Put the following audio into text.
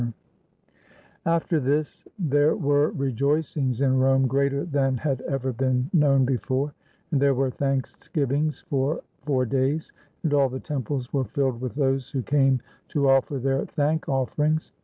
317 I ROME After this there were rejoicings in Rome greater than had ever been known before; and there were thanksgiv ings for four days, and all the temples were filled with those who came to offer their thank offerings.